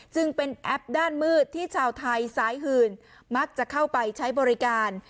จึงเป็นแอปด้านมืดที่ชาวไทยสายหื่นมักจะเข้าไปใช้บริการ